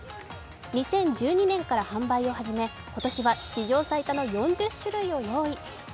２０１２年から販売を始め、今年は史上最多の４０種類を用意。